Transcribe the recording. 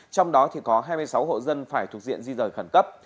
trong đó có hai mươi sáu hộ dân phải thuộc diện di rời khẩn cấp